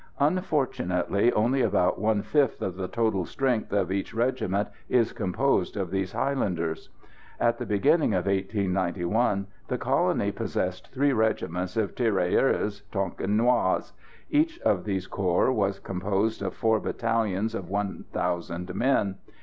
Unfortunately, only about one fifth of the total strength of each regiment is composed of these highlanders. At the beginning of 1891 the colony possessed three regiments of tirailleurs Tonkinois. Each of these corps was composed of four battalions of one thousand men.